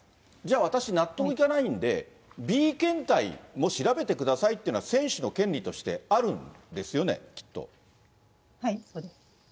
じゃあ私、納得いかないんで、Ｂ検体も調べてくださいっていうのは、選手の権利としてあるんですよね、きっと。